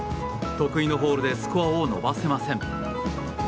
得意のホールでスコアを伸ばせません。